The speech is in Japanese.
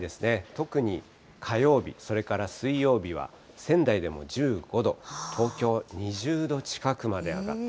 特に火曜日、それから水曜日は仙台でも１５度、東京、２０度近くまで上がる。